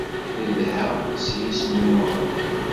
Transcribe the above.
Nedheɣ s yisem n Umeɣlal.